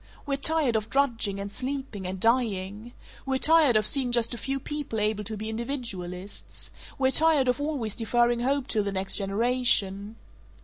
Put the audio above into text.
We're tired of drudging and sleeping and dying. We're tired of seeing just a few people able to be individualists. We're tired of always deferring hope till the next generation.